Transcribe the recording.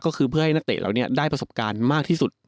ก็คือเพื่อให้นักเตะเหล่านี้ได้ประสบการณ์มากที่สุด